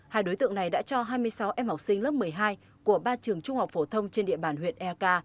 hai đối tượng này đã cho hai mươi sáu em học sinh lớp một mươi hai của ba trường trung học phổ thông trên địa bàn huyện eak